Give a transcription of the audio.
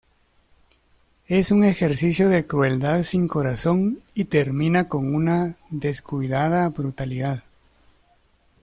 Es un ejercicio de crueldad sin corazón y termina con una descuidada brutalidad".